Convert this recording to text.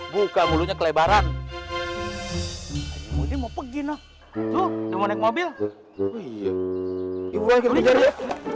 buka mulutnya kelebaran mau pergi nak tuh mau naik mobil iya ibu lagi lebih jauh ya